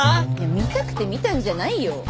見たくて見たんじゃないよ。